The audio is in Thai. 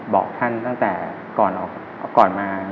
บอกท่านตั้งแต่ก่อนมา